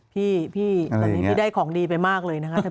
พี่ได้ของดีไปมากเลยนะครับ